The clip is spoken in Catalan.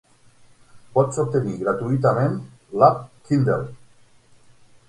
Pots obtenir gratuïtament l'app Kindle.